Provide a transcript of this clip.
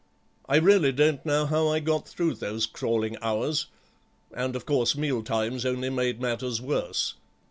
I really don't know how I got through those crawling hours, and of course mealtimes only made matters worse.